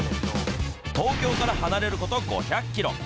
東京から離れること５００キロ。